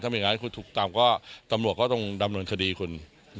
ถ้าไม่งั้นคุณถูกตามก็ตำรวจต้องดำเนินคดีคุณ